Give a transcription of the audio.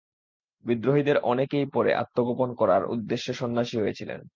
বিদ্রোহীদের অনেকেই পরে আত্মগোপন করার উদ্দেশ্যে সন্ন্যাসী হয়েছিলেন।